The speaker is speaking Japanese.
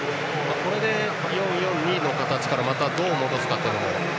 これで４−４−２の形からまたどう戻すかというのも。